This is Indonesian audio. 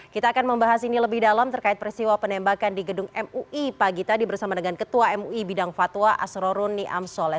kita akan membahas ini lebih dalam terkait peristiwa penembakan di gedung mui pagi tadi bersama dengan ketua mui bidang fatwa asrorun niam soleh